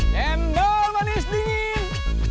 cendol manis dingin